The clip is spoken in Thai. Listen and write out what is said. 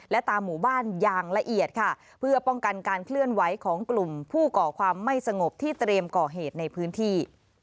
และตามหมู่บ้านอย่างละเอียดค่ะเพื่อป้องกันการเคลื่อนไหวของกลุ่มผู้ก่อความไม่สงบที่เตรียมก่อเหตุในพื้นที่